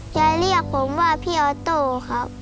เรียกผมว่าพี่ออโต้ครับ